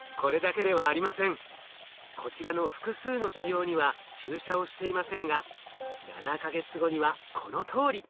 こちらの複数の腫瘍には注射をしていませんが７か月後にはこのとおり！